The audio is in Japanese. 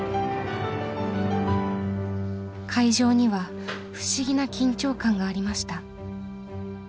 会場には不思議な緊張感がありました。